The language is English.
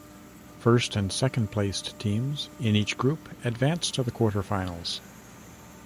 First and second placed teams, in each group, advance to the quarter-finals.